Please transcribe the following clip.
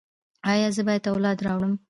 ایا زه باید اولاد راوړم؟